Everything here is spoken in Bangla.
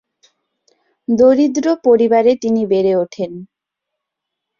দরিদ্র পরিবারে তিনি বেড়ে ওঠেন।